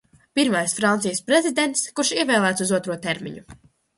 Pirmais Francijas prezidents, kurš ievēlēts uz otro termiņu.